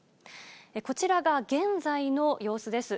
こちらが現在の様子です。